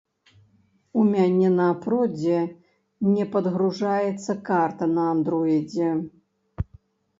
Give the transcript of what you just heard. У мяне на продзе не падгружаецца карта на андроідзе.